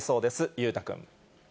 裕太君。